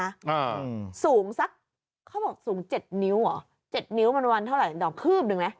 อ่าสูงสักเขาบอกสูงเจ็ดนิ้วเหรอเจ็ดนิ้วมันวันเท่าไหร่ดอกคืบหนึ่งไหม